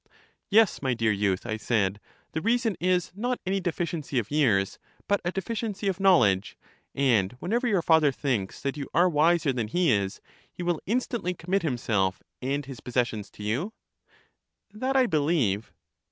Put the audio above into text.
Yes, my dear youth, I said, the reason is not any deficiency of years, but a deficiency of knowledge; and whenever your father thinks that you are wiser than he is, he will instantly commit himself and his possessions to you. That I believe.